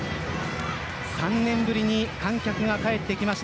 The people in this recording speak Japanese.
３年ぶりに観客が帰ってきました